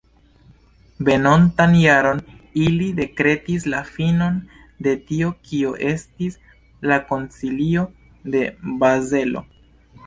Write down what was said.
Venontan jaron, ili dekretis la finon de tio kio estis la Koncilio de Bazelo.